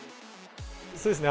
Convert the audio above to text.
そうですね。